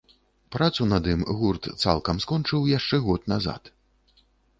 Працу над ім гурт цалкам скончыў яшчэ год назад.